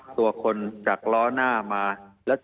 มีความรู้สึกว่ามีความรู้สึกว่า